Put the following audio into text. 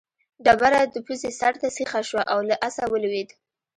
ډبره د پوځي سر ته سیخه شوه او له آسه ولوېد.